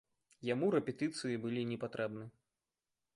Яму рэпетыцыі былі непатрэбны.